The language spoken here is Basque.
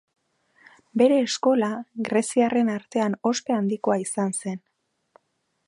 Bere eskola, greziarren artean ospe handikoa izan zen.